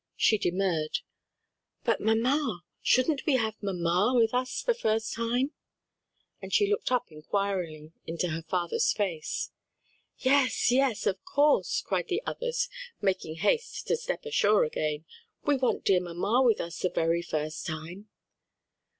She demurred. "But mamma! shouldn't we have mamma with us the first time?" and she looked up inquiringly into her father's face. "Yes, yes, of course!" cried the others making haste to step ashore again, "we want dear mamma with us the very first time."